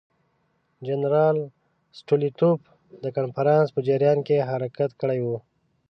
جنرال ستولیتوف د کنفرانس په جریان کې حرکت کړی وو.